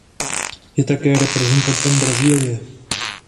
Je také reprezentantem Brazílie.